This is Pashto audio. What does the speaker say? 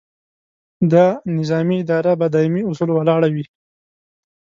دا نظامي ادارې په دایمي اصولو ولاړې وي.